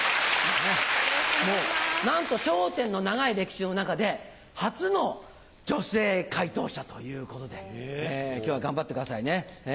なんと『笑点』の長い歴史の中で初の女性回答者ということで今日は頑張ってくださいね。